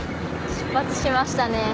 出発しましたね。